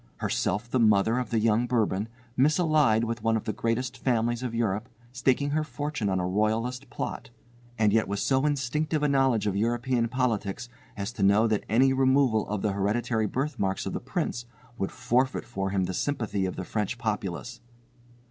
Herself the mother of the young Bourbon, misallied with one of the greatest families of Europe, staking her fortune on a Royalist plot, and yet with so instinctive a knowledge of European politics as to know that any removal of the hereditary birth marks of the Prince would forfeit for him the sympathy of the French populace.